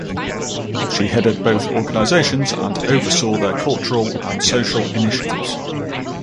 She headed both organizations and oversaw their cultural and social initiatives.